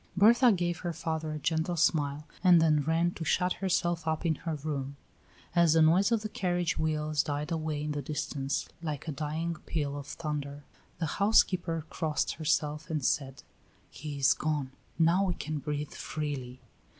Bertha gave her father a gentle smile and then ran to shut herself up in her room. As the noise of the carriage wheels died away in the distance, like a dying peal of thunder, the housekeeper crossed herself, and said: "He is gone; now we can breathe freely."